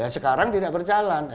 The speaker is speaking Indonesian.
sekarang tidak berjalan